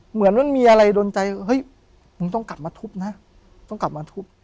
เหมือนมันมีอะไรโดนใจเฮ้ยมึงต้องกลับมาทุบนะต้องกลับมาทุบ